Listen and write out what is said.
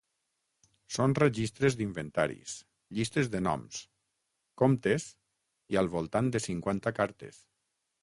Són registres d'inventaris, llistes de noms, comptes i al voltant de cinquanta cartes.